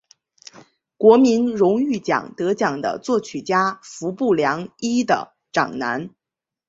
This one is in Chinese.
国民荣誉奖得奖的作曲家服部良一的长男。